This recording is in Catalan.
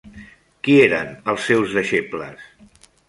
Qui eren els seus deixebles?